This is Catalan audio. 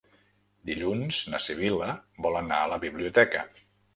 Dilluns na Sibil·la vol anar a la biblioteca.